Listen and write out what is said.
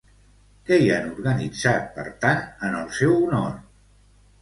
Què hi han organitzat, per tant, en el seu honor?